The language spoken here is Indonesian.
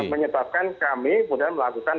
menyebabkan kami melakukan